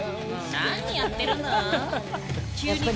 何やってるぬん？